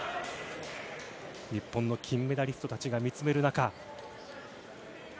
日本の金メダリストたちが見つめる中。